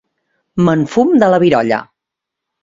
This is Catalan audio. Me'n fum de la virolla!